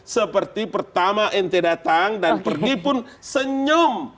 seperti pertama ente datang dan pergi pun senyum